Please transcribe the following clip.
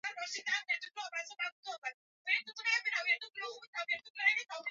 Jacob alipofika kwenye kile kibao alisimamisha gari akashusha kioo kuangalia vizuri